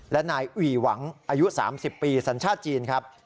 และนายอุ๋ยหวังอายุ๓๐ปีสัญชาติจีนครับ